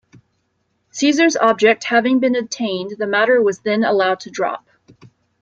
Caesar's object having been attained, the matter was then allowed to drop.